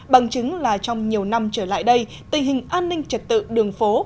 bằng chứng là trong nhiều năm trở lại đây tình hình an ninh trật tự đường phố